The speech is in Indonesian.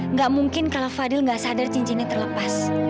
nggak mungkin kalau fadil nggak sadar cincinnya terlepas